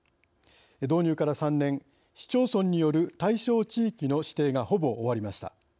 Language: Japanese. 導入から３年市町村による対象地域の指定がほぼ終わりました。